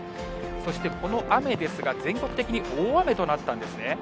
そしてこの雨ですが、全国的に大雨となったんですね。